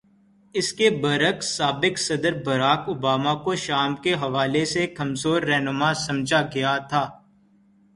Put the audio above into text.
اس کے برعکس، سابق صدر بارک اوباما کو شام کے حوالے سے کمزور رہنما سمجھا گیا تھا۔